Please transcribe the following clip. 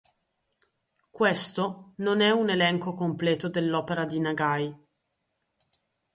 Questo non è un elenco completo dell’opera di Nagai.